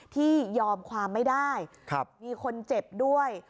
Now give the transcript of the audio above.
ที่ยอมความไม่ได้มีคนเจ็บด้วย